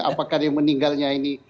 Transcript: apakah dia meninggalnya ini